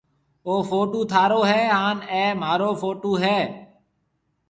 او ڦوٽُو ٿارو هيَ هانَ اَي مهارو ڦوٽُو هيَ۔